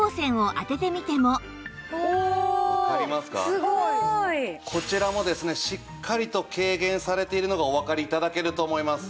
すごい！こちらもですねしっかりと軽減されているのがおわかり頂けると思います。